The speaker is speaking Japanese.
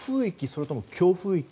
それとも強風域？